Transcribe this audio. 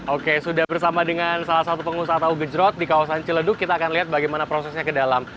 oke sudah bersama dengan salah satu pengusaha tahu gejrot di kawasan ciledug kita akan lihat bagaimana prosesnya ke dalam